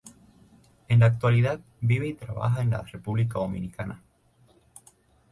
En la actualidad vive y trabaja en la República Dominicana.